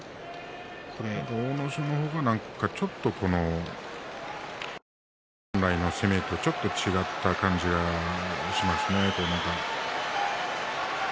阿武咲の方が本来の攻めとちょっと違った感じがしました。